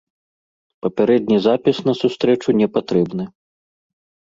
Папярэдні запіс на сустрэчу не патрэбны.